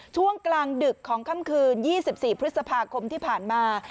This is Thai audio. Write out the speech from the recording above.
ช่วงกลางดึกของค่ำคืน๒๔พฤษภาคมที่ผ่านมา